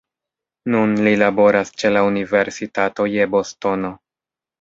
Nun li laboras ĉe la Universitato je Bostono.